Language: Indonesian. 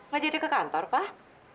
wajah dia ke kantor pak